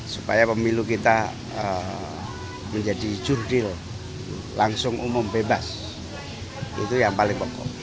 supaya pemilu kita menjadi jurdil langsung umum bebas itu yang paling pokok